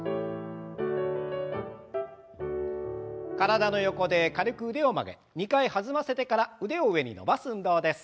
体の横で軽く腕を曲げ２回弾ませてから腕を上に伸ばす運動です。